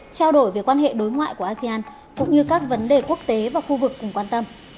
trao đổi về quan hệ đối ngoại của asean cũng như các vấn đề quốc tế và khu vực cùng quan tâm